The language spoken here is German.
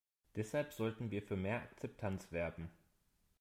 Deshalb sollten wir für mehr Akzeptanz werben.